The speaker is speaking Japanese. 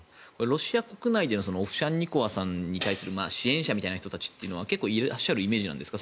ロシア国内でのオフシャンニコワさんに対する支援者みたいな人たちは結構いらっしゃるイメージなんですか。